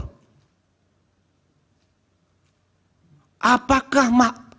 apakah ahli akan memaksa mahkamah ketika kami menuju ke mahkamah konstitusi